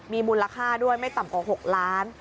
มีมูลค่าด้วยไม่ต่ำกว่า๖ล้าน